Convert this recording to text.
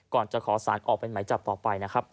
ก่อนจะขอสารออกเป็นหมายจับต่อไปนะครับ